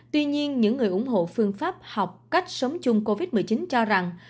tuy nhiên những người ủng hộ phương pháp học cách sống chung covid một mươi chín cho rằng